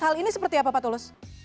hal ini seperti apa pak tulus